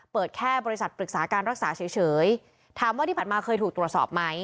เปิดแค่บริษัทปรึกษาการรักษาเฉยถามว่าที่ผ่านมาเคยถูกตรวจสอบไหม